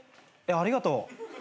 ありがとう。